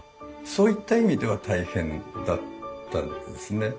そういった意味では大変だったですね。